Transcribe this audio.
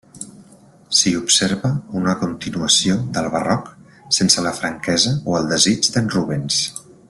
S'hi observa una continuació del barroc sense la franquesa o el desig d'un Rubens.